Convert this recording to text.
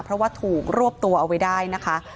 เพราะว่าถูกรวบตัวเอาไว้ได้นะคะ